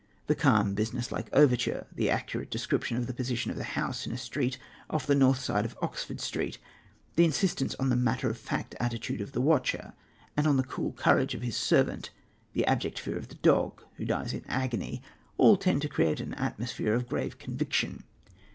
The calm, business like overture, the accurate description of the position of the house in a street off the north side of Oxford Street, the insistence on the matter of fact attitude of the watcher, and on the cool courage of his servant, the abject fear of the dog, who dies in agony, all tend to create an atmosphere of grave conviction.